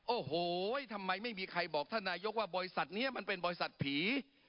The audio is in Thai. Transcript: โอ้โหทำไมไม่มีใครบอกท่านนายกว่าบริษัทนี้มันเป็นบริษัทผี